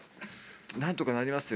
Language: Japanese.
何とかなりますよ。